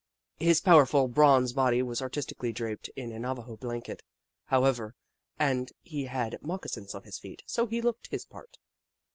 His powerful bronze body was artistically draped in a Navajo blanket, however, and he had moccasins on his feet, so he looked his part.